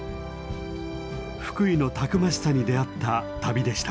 福井のたくましさに出会った旅でした。